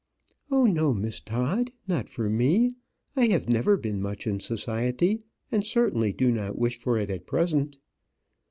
"Oh, no, Miss Todd; not for me. I have never been much in society, and certainly do not wish for it at present."